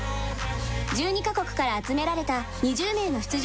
１２カ国から集められた２０名の出場者たち。